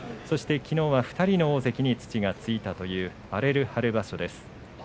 そしてきのうは２人の大関に土がついたという荒れる春場所です。